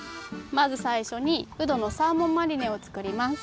まずさいしょにうどのサーモンマリネをつくります。